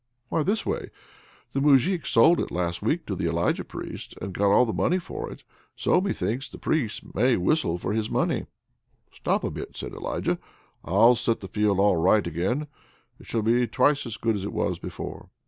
"Why, this way. The Moujik sold it last week to the Elijah Priest, and got all the money for it. And so, methinks, the Priest may whistle for his money!" "Stop a bit!" said Elijah. "I'll set the field all right again. It shall be twice as good as it was before."